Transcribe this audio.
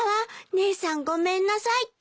「姉さんごめんなさい」って。